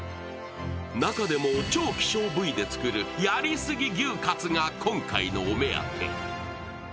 中でも、超希少部位で作るやりすぎ牛カツが今回のお目当て。